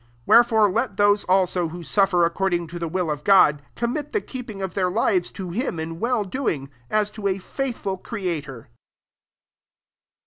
19 Wherefore let those also, who tnfifor according to the will of God, commit the keeping of their lives to him in well doing, as to a ^thful creator.